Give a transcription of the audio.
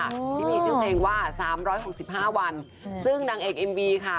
ที่มีชื่อเพลงว่าสามร้อยหกสิบห้าวันซึ่งนางเอกเอ็มบีค่ะ